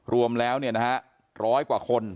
รวมแล้วเนี่ยนะฮะ๑๐๐กว่าคน